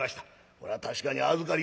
これは確かに預かりましょう。